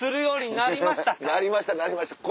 なりましたなりました。